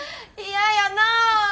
嫌やなあ。